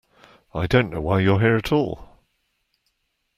I don't know why you're here at all.